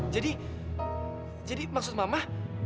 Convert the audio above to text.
jadi jadi maksud mama